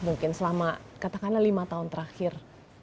dan selama katakanlah lima tahun terakhir